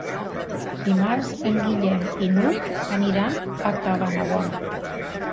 Dimarts en Guillem i n'Hug aniran a Cabanabona.